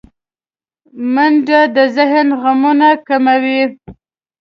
منډه د ذهن غمونه کموي